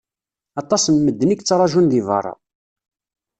Aṭas n medden i yettrajun deg berra.